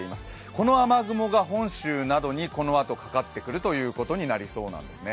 この雨雲が本州などに、このあと、かかってくるということになりそうなんですね。